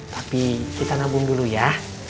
tapi kita nabung dulu ya